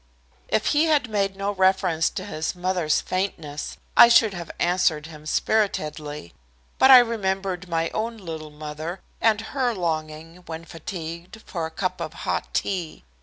If he had made no reference to his mother's faintness, I should have answered him spiritedly. But I remembered my own little mother, and her longing when fatigued for a cup of hot tea.